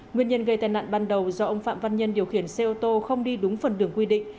nguyên nhân gây tai nạn ban đầu do ông phạm văn nhân điều khiển xe ô tô không đi đúng phần đường quy định